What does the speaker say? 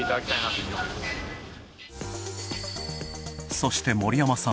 そして、森山さん。